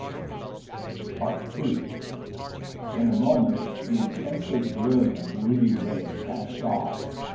In a moment the intensely brilliant ruby ray flashed off.